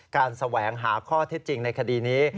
แสวงหาข้อเท็จจริงในคดีนี้